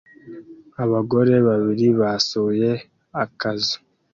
Abagore babiri basuye akazu